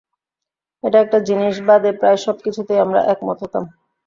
এই একটা জিনিস বাদে প্রায় সবকিছুতেই আমরা একমত হতাম।